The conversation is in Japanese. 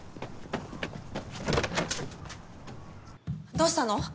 どうしたの？